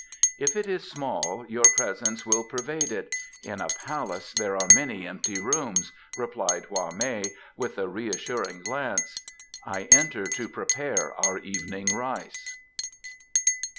"If it is small, your presence will pervade it; in a palace there are many empty rooms," replied Hwa mei, with a reassuring glance. "I enter to prepare our evening rice."